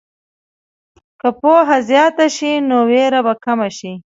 که پوهه زیاته شي، نو ویره به کمه شي.